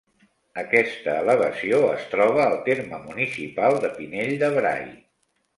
Aquesta elevació es troba al terme municipal de Pinell de Brai.